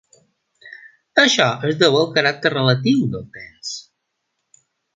Això es deu al caràcter relatiu del temps.